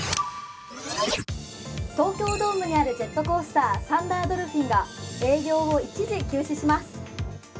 東京ドームにあるジェットコースター・サンダードルフィンが営業を一時休止します。